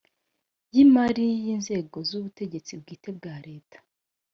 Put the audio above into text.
y imari y inzego z ubutegetsi bwite bwa leta